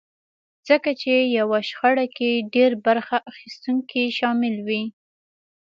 ځکه چې يوه شخړه کې ډېر برخه اخيستونکي شامل وي.